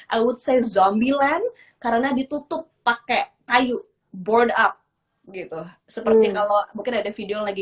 out say zombie land karena ditutup pakai kayu board up gitu seperti kalau mungkin ada video lagi